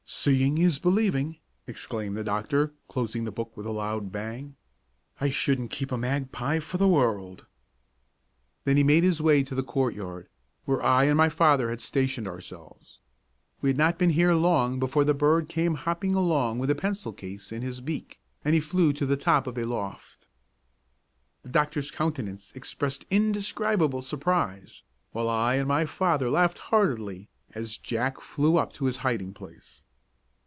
"Seeing is believing!" exclaimed the doctor, closing the book with a loud bang. "I wouldn't keep a magpie for the world." Then he made his way to the courtyard, where I and my father had stationed ourselves. We had not been long here before the bird came hopping along with the pencil case in his beak, and he flew to the top of a loft. The doctor's countenance expressed indescribable surprise, while I and my father laughed heartily as Jack flew up to his hiding place.